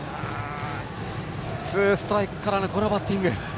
ツーストライクからのこのバッティング。